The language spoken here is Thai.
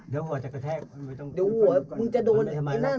เดี๋ยวหัวจะกระแทก